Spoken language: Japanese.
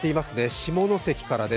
下関からです